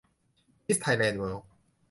มิสไทยแลนด์เวิลด์